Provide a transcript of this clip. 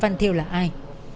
phạm văn thêu là ai